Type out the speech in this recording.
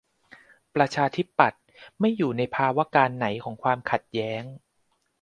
ประชาธิปัตย์ ไม่ อยู่ในภาวการณ์ไหนของความขัดแย้ง ?